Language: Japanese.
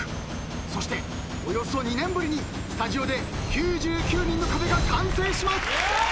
そしておよそ２年ぶりにスタジオで９９人の壁が完成します！